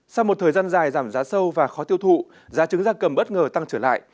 sau một thời gian dài giảm giá sâu và khó tiêu thụ giá trứng ra cầm bất ngờ tăng trở lại